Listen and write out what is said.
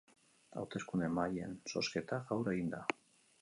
Hauteskunde-mahaien zozketa gaur egin da.